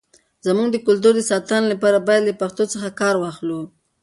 زموږ د کلتور د ساتنې لپاره، باید له پښتو څخه کار واخلو.